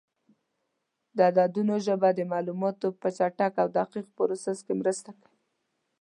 د عددونو ژبه د معلوماتو په چټک او دقیق پروسس کې مرسته کوي.